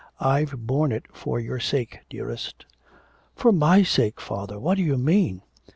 I've borne it for your sake, dearest.' 'For my sake, father, what do you mean?'